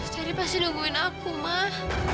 cari pasti nungguin aku mah